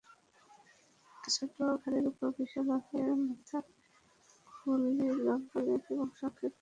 ছোট ঘাড়ের উপর বিশাল আকারের মাথার খুলি, লম্বা লেজ এবং সংক্ষিপ্ত সামনের পা।